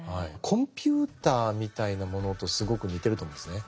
コンピューターみたいなものとすごく似てると思うんですね。